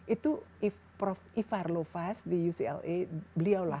itu prof ifar lovas di ucla beliaulah